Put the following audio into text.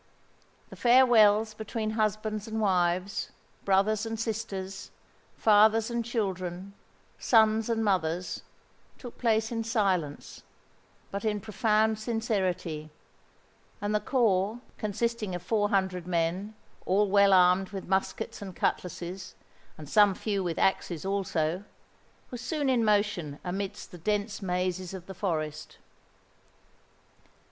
The farewells between husbands and wives, brothers and sisters, fathers and children, sons and mothers, took place in silence, but in profound sincerity; and the corps, consisting of four hundred men, all well armed with muskets and cutlasses, and some few with axes also, was soon in motion amidst the dense mazes of the forest.